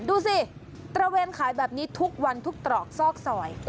ดูสิตระเวนขายแบบนี้ทุกวันทุกตรอกซอกซอย